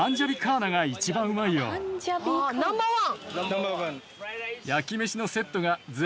ナンバーワン。